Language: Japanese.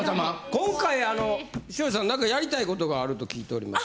今回あの塩地さん何かやりたい事があると聞いております。